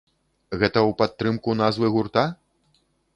Гэта ў падтрымку назвы гурта?